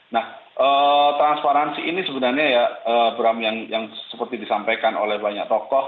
nah transparansi ini sebenarnya ya bram yang seperti disampaikan oleh banyak tokoh